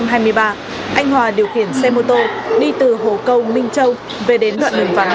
anh hòa điều khiển xe mô tô đi từ hồ công ninh châu về đến đoạn đường vắng